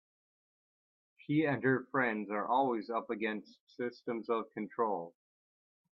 She and her friends are always up against systems of control.